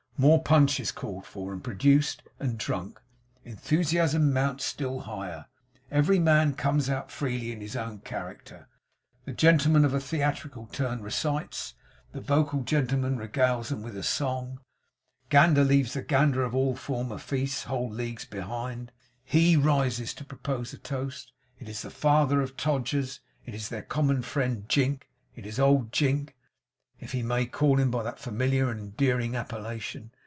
More punch is called for, and produced, and drunk. Enthusiasm mounts still higher. Every man comes out freely in his own character. The gentleman of a theatrical turn recites. The vocal gentleman regales them with a song. Gander leaves the Gander of all former feasts whole leagues behind. HE rises to propose a toast. It is, The Father of Todgers's. It is their common friend Jink it is old Jink, if he may call him by that familiar and endearing appellation.